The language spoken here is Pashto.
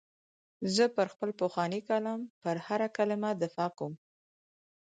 زه پر خپل پخواني کالم پر هره کلمه دفاع کوم.